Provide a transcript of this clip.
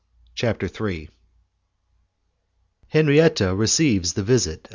CHAPTER III Henriette Receives the Visit of M.